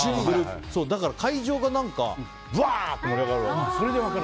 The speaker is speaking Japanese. だから会場がぶわっと盛り上がるわけ。